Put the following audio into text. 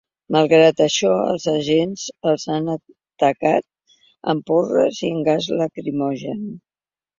Malgrat això, els agents els han atacats amb porres i amb gas lacrimogen.